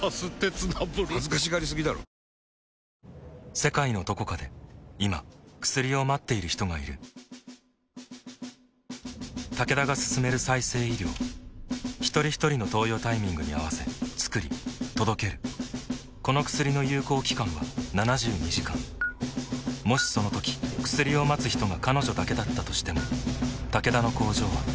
世界のどこかで今薬を待っている人がいるタケダが進める再生医療ひとりひとりの投与タイミングに合わせつくり届けるこの薬の有効期間は７２時間もしそのとき薬を待つ人が彼女だけだったとしてもタケダの工場は彼女のために動くだろう